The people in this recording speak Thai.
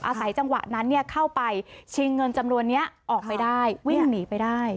อาศัยจังหวะนั้นเข้าไปชิงเงินจำนวนนี้ออกไปได้วิ่งหนีไปได้